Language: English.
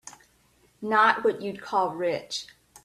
Not what you'd call rich.